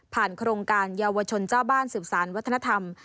โครงการเยาวชนเจ้าบ้านสืบสารวัฒนธรรม